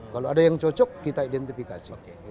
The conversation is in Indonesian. kalau ada yang cocok kita identifikasi